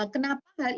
kenapa hal ini berlaku